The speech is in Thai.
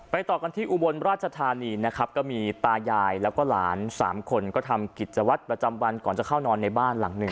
ต่อกันที่อุบลราชธานีนะครับก็มีตายายแล้วก็หลานสามคนก็ทำกิจวัตรประจำวันก่อนจะเข้านอนในบ้านหลังหนึ่ง